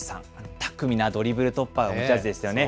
巧みなドリブル突破が持ち味でしたよね。